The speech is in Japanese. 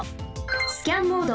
スキャンモード